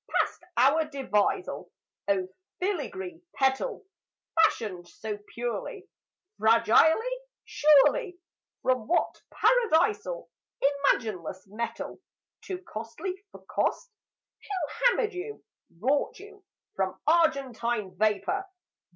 Past our devisal (O filigree petal!) Fashioned so purely, Fragilely, surely, From what Paradisal Imagineless metal, Too costly for cost? Who hammered you, wrought you, From argentine vapour?